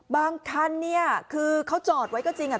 บางคันเนี่ยคือเขาจอดไว้ก็จริงอ่ะ